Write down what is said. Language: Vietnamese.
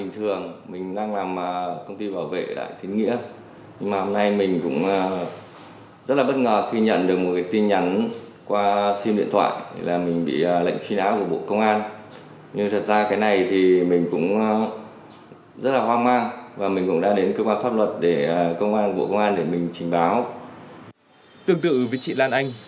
tương tự với chị lan anh